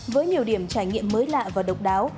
với nhiều điểm trải nghiệm mới lạ và độc đáo